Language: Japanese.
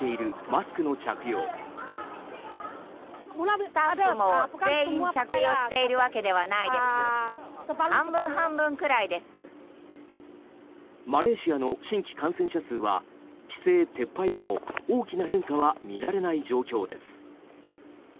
マレーシアの新規感染者数は規制撤廃後も大きな変化は見られない状況です。